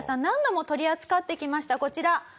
何度も取り扱ってきましたこちら。